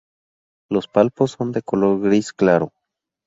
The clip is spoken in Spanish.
Los palpos son de color gris claro.